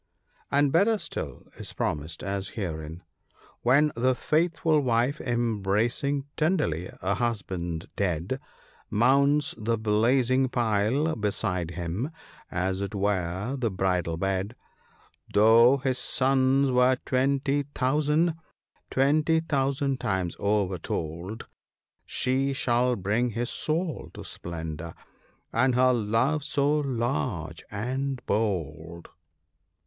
" And better still is promised ; as herein —" When the faithful wife ( 81 ), embracing tenderly her husband dead, Mounts the blazing pile beside him, as it were the bridal bed ; Though his sins were twenty thousand, twenty thousand times o'er told, She shall bring his soul to splendour, for her love so large and bold."